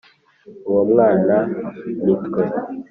uwo mwana ni twe,